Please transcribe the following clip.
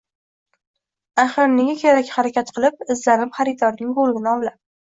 axir nega kerak harakat qilib, izlanib, xaridorning ko‘nglini ovlab?